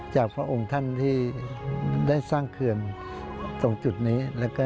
พระองค์ท่านที่ได้สร้างเขื่อนตรงจุดนี้